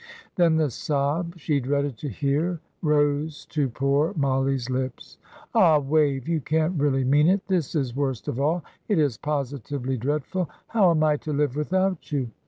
Then the sob she dreaded to hear rose to poor Mollie's lips. "Ah, Wave, you can't really mean it! This is worst of all. It is positively dreadful. How am I to live without you?